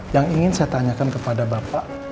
yang ingin saya tanyakan kepada bapak